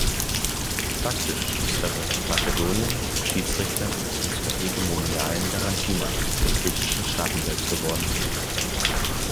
Faktisch ist damit Makedonien zum Schiedsrichter und zur hegemonialen Garantiemacht der griechischen Staatenwelt geworden.